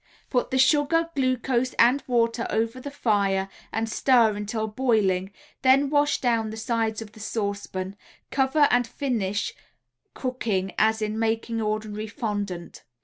Put the sugar, glucose and water over the fire and stir until boiling, then wash down the sides of the saucepan, cover and finish cooking as in making ordinary fondant.